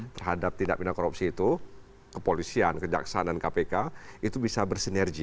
terhadap tindak pindah korupsi itu kepolisian kejaksaan dan kpk itu bisa bersinergi